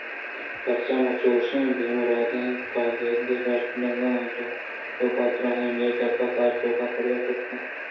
پرچا ما چوشیں بے مُرادیں کاگدے بہر کنگ ءِ ڈوبہ داریں ءُمئے گپ ءُ کار ءِ توک ءَ پرچہ تپاوت پیداک بہ بیت